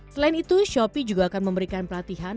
selain itu shopee juga akan memberikan pelatihan